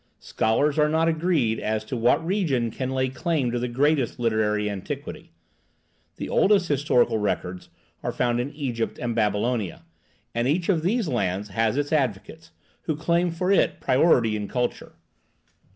Scholars are not agreed as to what region can lay claim to the greatest literary antiquity. The oldest historical records are found in Egypt and Babylonia, and each of these lands has its advocates, who claim for it priority in culture.